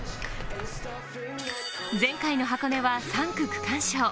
前回の箱根は３区区間賞。